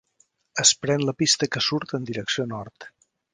Es pren la pista que surt en direcció nord.